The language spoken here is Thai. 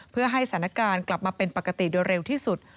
เพื่อให้สถานการณ์กลับมาเป็นปกติโดยเร็วที่สุด